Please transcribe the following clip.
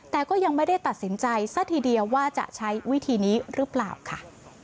แต่ก็ยังไม่ได้ตัดสินใจซะทีเดียวว่าจะใช้วิธีนี้หรือเปล่าค่ะ